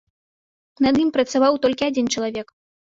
Над ім працаваў толькі адзін чалавек.